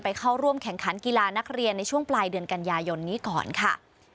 เข้าร่วมแข่งขันกีฬานักเรียนในช่วงปลายเดือนกันยายนนี้ก่อนค่ะ